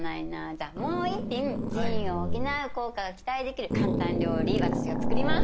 じゃあもう１品腎を補う効果が期待できる簡単料理私が作ります。